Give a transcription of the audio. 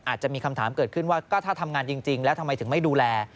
อาจจะมีคำถามเกิดขึ้นว่าก็ถ้าทำงานจริงแล้วทำไมถึงไม่ดูแล